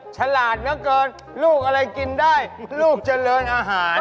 ฉลาดเหลือเกินลูกอะไรกินได้ลูกเจริญอาหาร